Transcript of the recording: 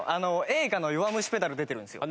映画の『弱虫ペダル』出てるんですよ。